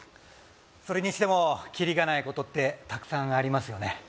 それにしてもきりがないことってたくさんありますよね